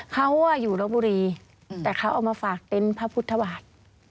เขาอยู่รบบุรีแต่เขาเอามาฝากเต็นต์พระพุทธบาท